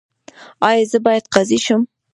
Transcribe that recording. ایا زه باید قاضي شم؟